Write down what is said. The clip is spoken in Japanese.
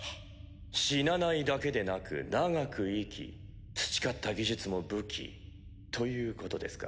死なないだけでなく長く生き培った技術も武器ということですか。